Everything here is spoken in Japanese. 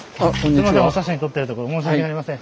すいませんお写真撮ってるところ申し訳ありません。